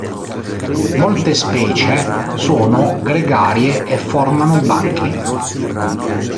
Molte specie sono gregarie e formano banchi.